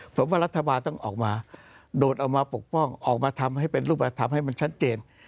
ผมว่ารัฐบาลต้องออกมาโดดออกมาปกป้องออกมาทำให้เป็นรูปธรรมให้มันชัดเจน